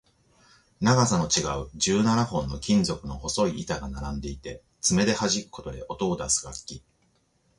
長さの違う十七本の金属の細い板が並んでいて、爪ではじくことで音を出す楽器